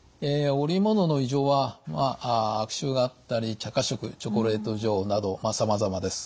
おりものの異常はまあ悪臭があったり茶褐色チョコレート状などさまざまです。